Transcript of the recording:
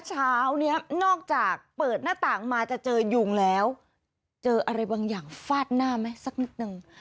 เช้านี้นอกจากเปิดหน้าต่างมาจะเจอยุงแล้วเจออะไรบางอย่างฟาดหน้าไหมสักนิดนึง